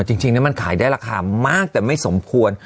จริงแล้วมันขายได้ราคามากแต่ไม่สมควร